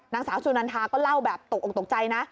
นางสาวสุนันทาก็เล่าแบบตกออกตกใจนะ